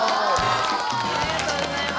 ありがとうございます。